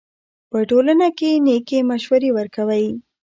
په ټولنه کښي نېکي مشورې ورکوئ!